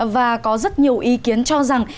và có rất nhiều ý kiến cho rằng